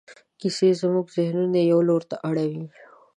کیسې زموږ ذهنونه یوه لور ته اړوي.